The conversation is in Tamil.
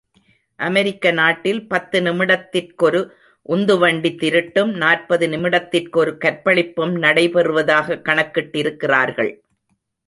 அமெரிக்க நாட்டில் பத்து நிமிடத்திற்கொரு உந்துவண்டித் திருட்டும், நாற்பது நிமிடத்திற்கொரு கற்பழிப்பும் நடை, பெறுவதாகக் கணக்கிட்டிருக்கிறார்கள்.